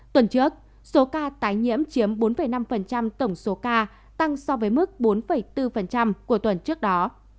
tuần trước số ca tái nhiễm chiếm bốn năm tổng số ca tăng so với mức bốn bốn của tuần trước đó